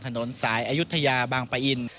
ถนนสายอายุทยาบางปะอิน